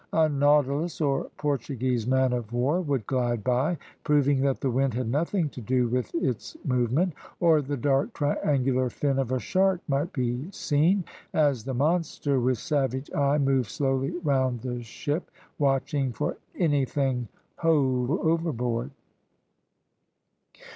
A nautilus, or Portuguese man of war, would glide by, proving that the wind had nothing to do with its movement; or the dark, triangular fin of a shark might be seen, as the monster, with savage eye, moved slowly round the ship, watching for anything hove overboard.